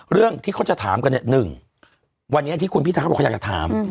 เรื่องที่เขาจะถามกันเนี่ยหนึ่งวันนี้ที่คุณพิทาก็อยากจะถามอืม